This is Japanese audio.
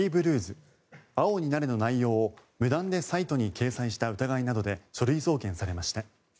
青になれ」の内容を無断でサイトに掲載した疑いなどで書類送検されました。